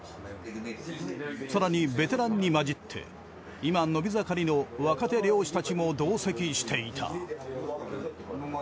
更にベテランに混じって今伸びざかりの若手漁師たちも同席していた。